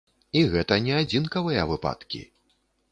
І гэта не адзінкавыя выпадкі.